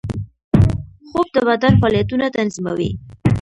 خوب د بدن فعالیتونه تنظیموي